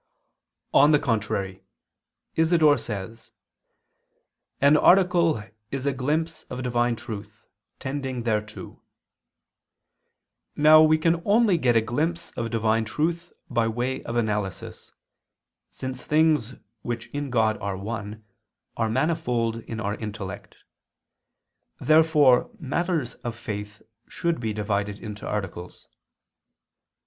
On the contrary, Isidore says: "An article is a glimpse of Divine truth, tending thereto." Now we can only get a glimpse of Divine truth by way of analysis, since things which in God are one, are manifold in our intellect. Therefore matters of faith should be divided into articles.